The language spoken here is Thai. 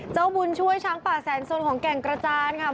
บุญช่วยช้างป่าแสนสนของแก่งกระจานค่ะ